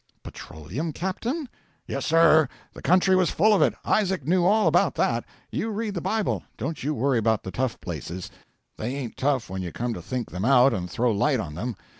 'Petroleum, captain?' 'Yes, sir; the country was full of it. Isaac knew all about that. You read the Bible. Don't you worry about the tough places. They ain't tough when you come to think them out and throw light on them.